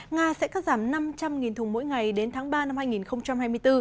nga sẽ cắt giảm năm trăm linh thùng mỗi ngày đến tháng ba năm hai nghìn hai mươi bốn